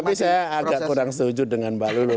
tapi saya agak kurang setuju dengan mbak lulu